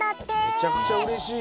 めちゃくちゃうれしい。